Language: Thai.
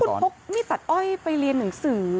คุณพกนี่ตัดอ้อยไปเรียนหนังสือ